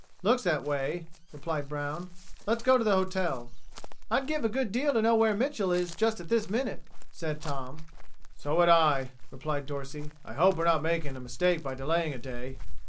"Looks that way," replied Brown. "Let's go to the hotel." "I'd give a good deal to know where Mitchel is at just this minute," said Tom. "So would I," replied Dorsey. "I hope we're not making a mistake by delaying a day."